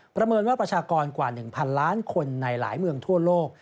ประเมินว่าประชากรกว่า๑๐๐ล้านคนในหลายเมืองทั่วโลก